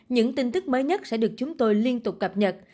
những tin tức mới nhất sẽ được chúng tôi liên tục cập nhật